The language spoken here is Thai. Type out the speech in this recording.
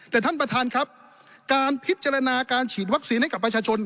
แต่ท่านประธานครับการพิจารณาการฉีดวัคซีนให้กับประชาชน